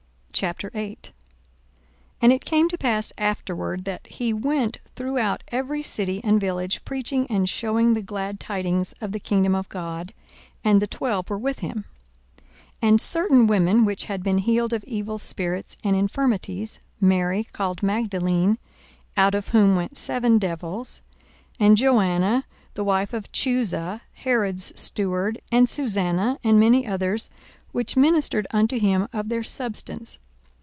42:008:001 And it came to pass afterward, that he went throughout every city and village, preaching and shewing the glad tidings of the kingdom of God: and the twelve were with him, 42:008:002 And certain women, which had been healed of evil spirits and infirmities, Mary called Magdalene, out of whom went seven devils, 42:008:003 And Joanna the wife of Chuza Herod's steward, and Susanna, and many others, which ministered unto him of their substance.